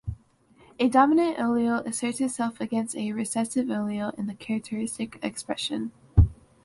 A dominant allele asserts itself against a recessive allele in the characteristic expression.